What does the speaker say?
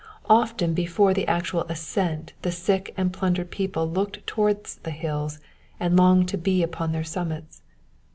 Often before the actual ascent the sick and plundered people looked towards the hills and longed to be upon their summits.